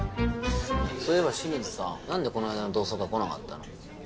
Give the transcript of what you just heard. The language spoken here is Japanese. そういえば清水さなんでこの間の同窓会来なかったの？